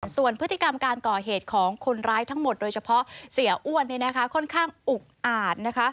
ส่วนพฤติกรรมการก่อเหตุของคนร้ายทั้งหมดโดยเฉพาะเสียอ้วนค่อนข้างอุกอาดนะคะ